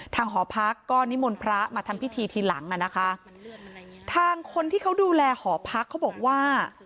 หอพักก็นิมนต์พระมาทำพิธีทีหลังอ่ะนะคะทางคนที่เขาดูแลหอพักเขาบอกว่า